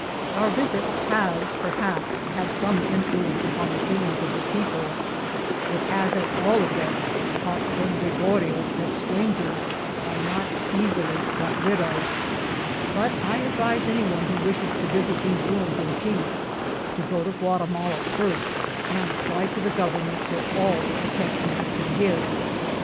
Our visit has perhaps had some influence upon the feelings of the people; it has, at all events, taught Don Ghee gorio that strangers are not easily got rid of; but I A WILCOMB TISITBA« 125 advifle any oob who wishes to visit these rmns in t>eaoe9 to go to Gnatimala firsts and apply to the government for all the protection it can give.